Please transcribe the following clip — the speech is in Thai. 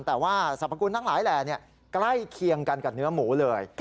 แต่ว่าสรรพคุณทั้งหลายแหล่ใกล้เคียงกันกับเนื้อหมูเลย